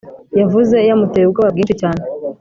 yavuze yamuteye ubwoba bwinshi cyane